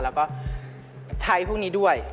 แล้วก็ใช้พวกนี้ด้วย